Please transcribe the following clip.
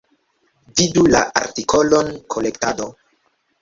Vidu la artikolon Kolektado.